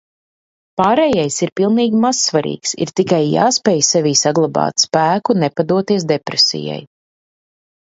Pārējais ir pilnīgi mazsvarīgs, ir tikai jāspēj sevī saglabāt spēku nepadoties depresijai.